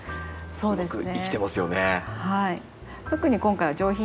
そうですね。